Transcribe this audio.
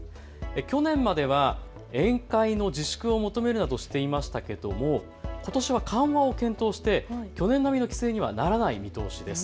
去年までは宴会の自粛を求めるなどしていましたけどもことしは緩和を検討して去年並みの規制にはならない見通しです。